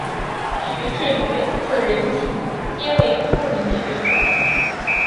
徐致愉子仁锦皆为著名学者。